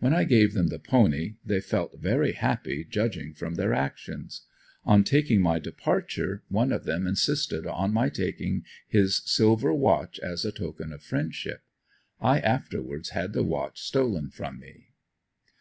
When I gave them the pony, they felt very happy judging from their actions. On taking my departure one of them insisted on my taking his silver watch as a token of friendship. I afterwards had the watch stolen from me.